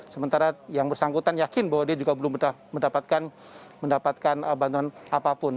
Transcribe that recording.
sementara yang bersangkutan yakin bahwa dia juga belum mendapatkan bantuan apapun